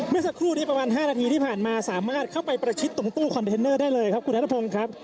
เมื่อสักครู่นี้ประมาณ๕นาทีที่ผ่านมาสามารถเข้าไปประชิดตรงตู้คอนเทนเนอร์ได้เลยครับคุณนัทพงศ์ครับ